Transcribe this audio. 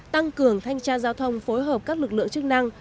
tăng cường thanh tra giao thông phối hợp các lực lượng chức năng